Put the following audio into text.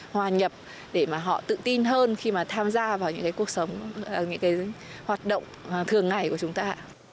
hòa nhập để mà họ tự tin hơn khi mà tham gia vào những cái cuộc sống những cái hoạt động thường ngày của chúng ta